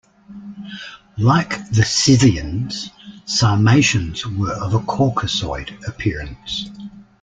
Like the Scythians, Sarmatians were of a Caucasoid appearance.